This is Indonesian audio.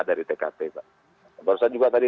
dari tkp pak barusan juga tadi